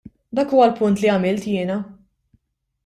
Dak huwa l-punt li għamilt jiena.